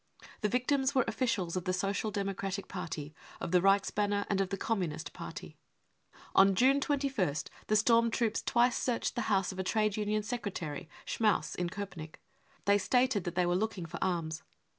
The victims were officials of the Social Democratic Party, of the Reichsbanner and of the Communist Party. On June 21st the storm troops twice searched the house of a trade union secretary, Schmaus, in Kopenick. They stated that they were looking for arms.